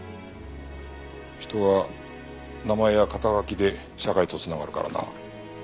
人は名前や肩書で社会と繋がるからな。